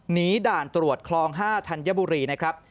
ด่านตรวจคลอง๕ธัญบุรีนะครับ